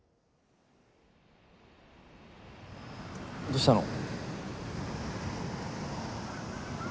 どうしたの？